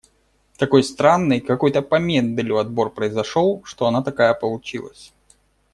Такой странный какой-то по Менделю отбор произошёл, что она такая получилась.